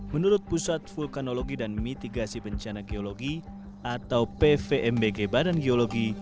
menurut pusat vulkanologi dan mitigasi bencana geologi atau pvmbg badan geologi